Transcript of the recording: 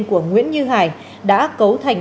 của nguyễn như hải đã cấu thành